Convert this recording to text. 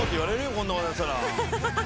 こんなことしたら。